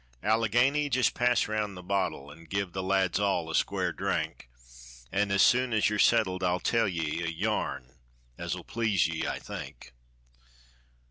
Allegheny, jist pass round the bottle, An' give the lads all a square drink, An' as soon as yer settled I'll tell ye A yarn as 'll please ye, I think.